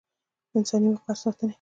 د انساني وقار د ساتنې